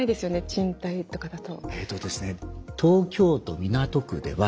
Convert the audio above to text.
賃貸とかだと。